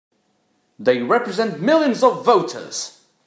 They represent millions of voters!